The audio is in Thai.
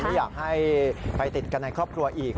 ไม่อยากให้ไปติดกันในครอบครัวอีก